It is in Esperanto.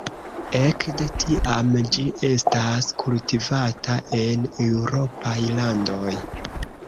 Ekde tiam ĝi estas kultivata en eŭropaj landoj.